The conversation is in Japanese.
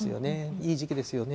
いい時期ですよね。